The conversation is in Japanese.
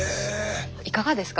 いかがですか？